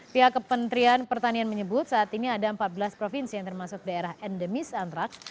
pihak kementerian pertanian menyebut saat ini ada empat belas provinsi yang termasuk daerah endemis antraks